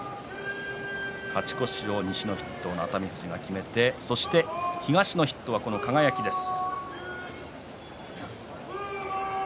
勝ち越し、西の筆頭熱海富士が決めてそして東の筆頭、輝です。